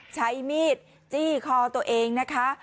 ใช้มีดจี้คอตัวเองนะคะ